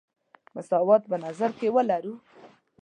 مساوات په نظر کې ولرو.